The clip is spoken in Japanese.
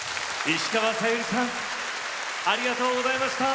石川さゆりさんありがとうございました。